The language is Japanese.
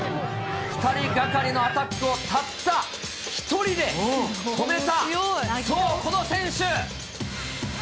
２人がかりのアタックをたった一人で止めた、そう、この選手。